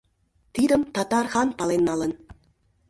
Тидым татар хан пален налын.